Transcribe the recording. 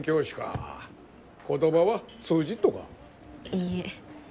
いいえ。